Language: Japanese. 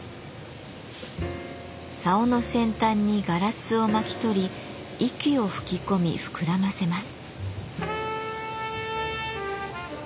さおの先端にガラスを巻き取り息を吹き込み膨らませます。